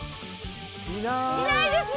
いないです。